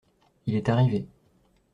Il est arrivé.